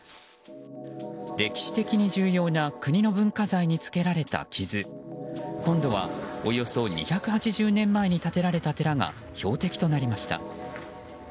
歴史的に重要な国の文化財につけられた傷今度はおよそ２８０年前に建てられた寺が標的となりました。